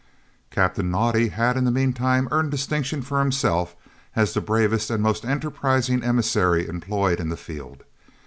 Captain Naudé had in the meantime earned distinction for himself as the bravest and most enterprising emissary employed in the field.